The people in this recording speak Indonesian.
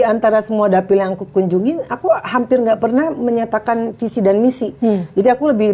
antara semua dapil yang kunjungi aku hampir nggak pernah menyatakan visi dan misi jadi aku lebih